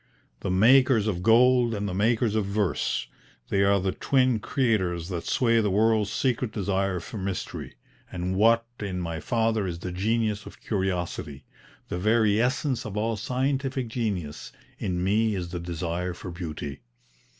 'The makers of gold and the makers of verse,' they are the twin creators that sway the world's secret desire for mystery; and what in my father is the genius of curiosity the very essence of all scientific genius in me is the desire for beauty.